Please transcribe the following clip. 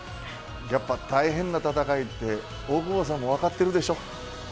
やっぱり大変な戦いで大久保さんも分かってるでしょ。